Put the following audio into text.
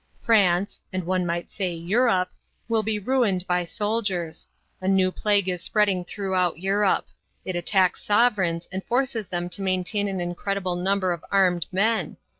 'France [and one might say, Europe] will be ruined by soldiers. A new plague is spreading throughout Europe. It attacks sovereigns and forces them to maintain an incredible number of armed men.